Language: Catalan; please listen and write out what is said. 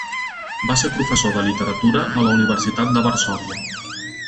Va ser professor de literatura a la Universitat de Varsòvia.